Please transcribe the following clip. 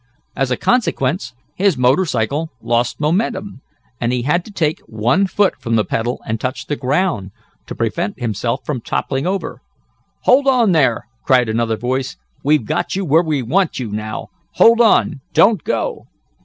As a consequence his motor cycle lost momentum, and he had to take one foot from the pedal and touch the ground, to prevent himself from toppling over. "Hold on there!" cried another voice. "We've got you where we want you, now! Hold on! Don't go!"